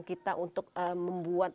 kita untuk membuat